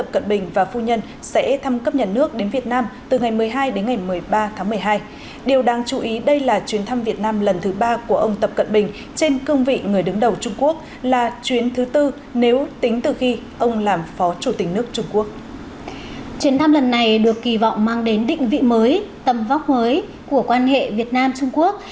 chuyến thăm lần này được kỳ vọng mang đến định vị mới tầm vóc mới của quan hệ việt nam trung quốc